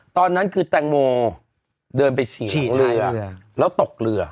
ตอนนั้นคือแตงโมเดินไปฉีกเรือแล้วตกเรือ